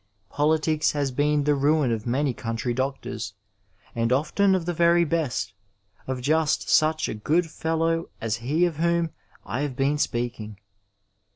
Politics has been the ruin of many country doctors, and often of the veiy best, of just such a good fellow as he of whom I have been speaking.